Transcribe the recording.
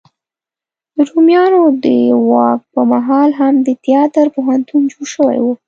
د رومیانو د واک په مهال هم د تیاتر پوهنتون جوړ شوی و.